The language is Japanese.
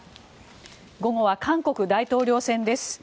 午後は韓国大統領選挙です。